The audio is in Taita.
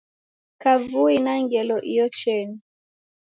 Kavui na ngelo iyo cheni